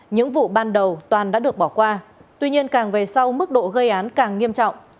những vụ ban đầu toàn đã được bỏ qua tuy nhiên càng về sau mức độ gây án càng nghiêm trọng